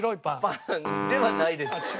パンではないです。